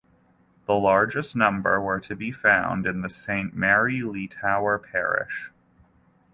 The largest number were to be found in the St Mary le Tower Parish.